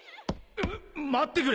待ってくれ！